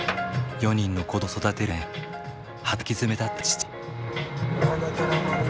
４人の子どもを育てるため働きづめだった父。